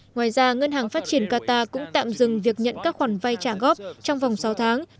ngoài ra ngân hàng phát triển qatar cũng tạm dừng việc nhận các khoản vay trả góp trong vòng sáu tháng